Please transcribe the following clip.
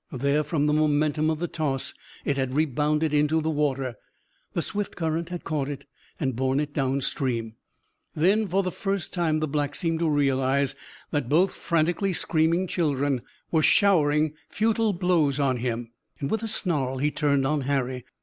There, from the momentum of the toss, it had rebounded into the water. The swift current had caught it and borne it downstream. Then, for the first time, the Black seemed to realise that both frantically screaming children were showering futile blows on him. With a snarl he turned on Harry.